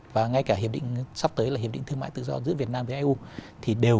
và ngay cả hiệp định sắp tới là hiệp định thương mại tự do giữa việt nam với eu